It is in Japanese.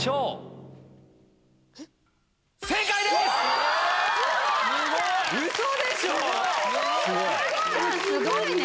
すごい！